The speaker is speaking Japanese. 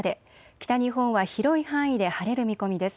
北日本は広い範囲で晴れる見込みです。